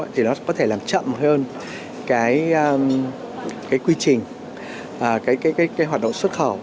thì nó có thể làm chậm hơn cái quy trình cái hoạt động xuất khẩu